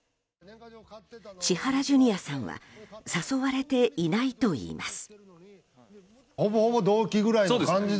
千原ジュニアさんは誘われていないといいます。